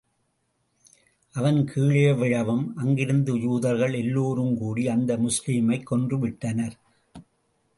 அவன் கீழே விழவும், அங்கிருந்த யூதர்கள் எல்லோரும் கூடி அந்த முஸ்லிமைக் கொன்று விட்டனர்.